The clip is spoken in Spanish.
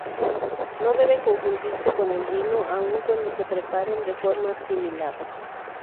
No debe confundirse con el vino aun cuando se preparen de forma similar.